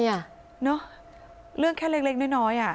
เนอะเรื่องแค่เล็กน้อยน่ะ